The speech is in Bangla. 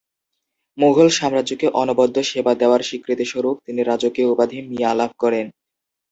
মুঘল সাম্রাজ্যকে অনবদ্য সেবা দেয়ার স্বীকৃতিস্বরূপ তিনি রাজকীয় উপাধি ‘মিয়া’ লাভ করেন।